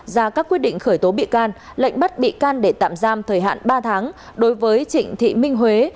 ra các quyết định khởi tố bị can lệnh bắt bị can để tạm giam thời hạn ba tháng đối với trịnh thị minh huế